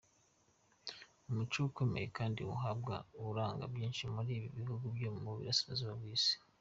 Umuco ukomeye kandi wubahwa uranga byinshi muri ibi bihugu byo mu burasirazuba bw’Isi.